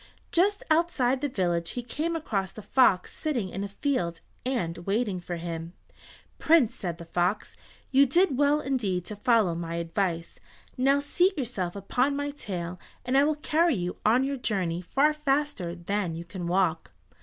Just outside the village he came across the fox sitting in a field and waiting for him. "Prince," said the fox, "you did well indeed to follow my advice. Now seat yourself upon my tail and I will carry you on your journey far faster than you can walk."